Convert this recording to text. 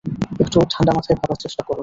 একটু ঠান্ডা মাথায় ভাবার চেষ্টা করো!